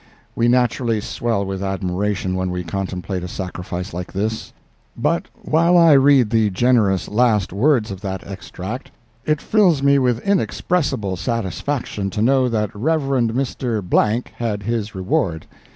We naturally swell with admiration when we contemplate a sacrifice like this. But while I read the generous last words of that extract, it fills me with inexpressible satisfaction to know that the Rev. Mr. _____ had his reward.